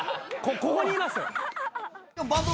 ここにいます。